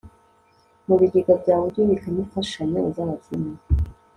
mu bigega byawe, ujye ubikamo imfashanyo z'abakene